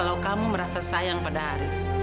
kalau kamu merasa sayang pada haris